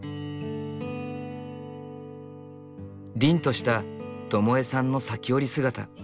凜とした智江さんの裂き織り姿。